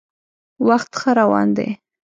وخت ښه روان دی.